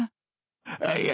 あっいや